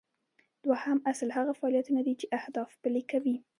دوهم اصل هغه فعالیتونه دي چې اهداف پلي کوي.